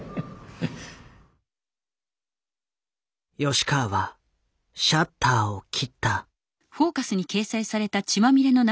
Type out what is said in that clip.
吉川はシャッターを切った。